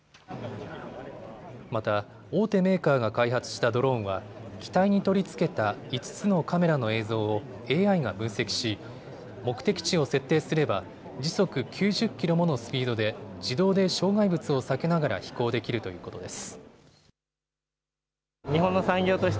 また大手メーカーが開発したドローンは機体に取り付けた５つのカメラの映像をＡＩが分析し目的地を設定すれば時速９０キロものスピードで自動で障害物を避けながら飛行できるということです。